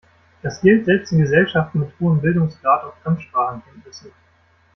Das gilt selbst in Gesellschaften mit hohem Bildungsgrad und Fremdsprachenkenntnissen.